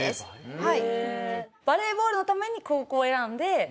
はい。